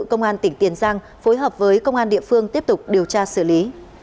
công an tỉnh tiền giang phối hợp với công an địa phương tiếp tục điều tra xử lý